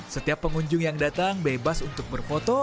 setiap pengunjung yang datang bebas untuk berfoto